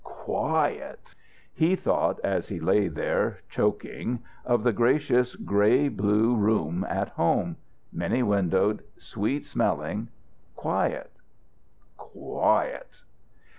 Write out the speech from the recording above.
Quiet! He thought, as he lay there, choking, of the gracious grey blue room at home; many windowed, sweet smelling, quiet. Quiet!